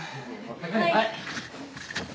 はい。